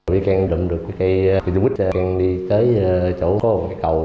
vì càng đụng được cây dung bích càng đi tới chỗ có một cây cầu